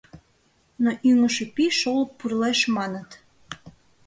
Но ӱҥышӧ пий шолып пурлеш, маныт.